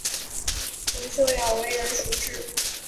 文秀雅为人熟知。